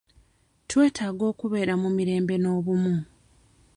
Twetaaga okubeera mu mirembe n'obumu..